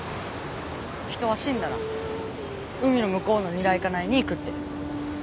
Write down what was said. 人は死んだら海の向こうのニライカナイに行くって。